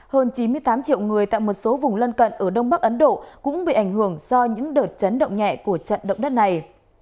hơn chín mươi tám triệu người tại một số vùng lân cận ở đông bắc ấn độ cũng bị ảnh hưởng do những đợt chấn động nhẹ của trận động đất này